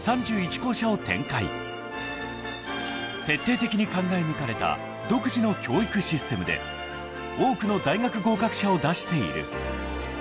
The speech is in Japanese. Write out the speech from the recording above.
［徹底的に考え抜かれた独自の教育システムで多くの大学合格者を出している］